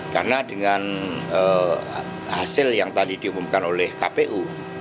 karena dengan hasil yang tadi diumumkan oleh kpu